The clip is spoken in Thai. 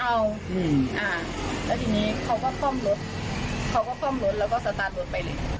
แล้วทีนี้เขาก็ซ่อมรถเขาก็ซ่อมรถแล้วก็สตาร์ทรถไปเลย